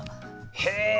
へえ！